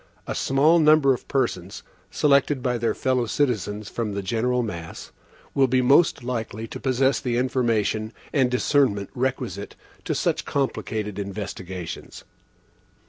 A small number of persons, selected by their fellow citizens from the general mass, will be most likely to possess the information and discernment requisite to such complicated investigations.